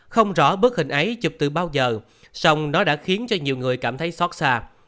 không rõ bức hình ấy chụp từ bao giờ xong nó đã khiến cho nhiều người cảm thấy xót xa